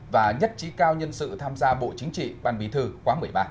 và nhất trí cao nhân sự tham gia bộ chính trị ban bí thư quá một mươi ba